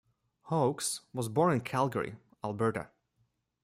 Hawkes was born in Calgary, Alberta.